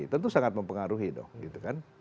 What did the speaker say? tentu sangat mempengaruhi dong gitu kan